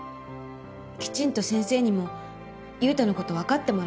きちんと先生にも優太の事わかってもらいたい。